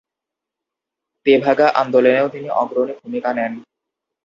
তেভাগা আন্দোলনেও তিনি অগ্রণী ভূমিকা নেন।